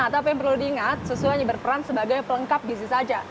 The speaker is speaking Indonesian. tapi yang perlu diingat susu hanya berperan sebagai pelengkap gizi saja